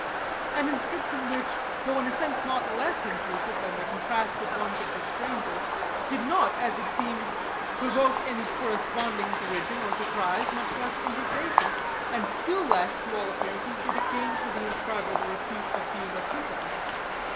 An inscription which, though in a sense not less intrusive than the contrasted ones of the stranger, did not, as it seemed, provoke any corresponding derision or surprise, much less indignation; and still less, to all appearances, did it gain for the inscriber the repute of being a simpleton.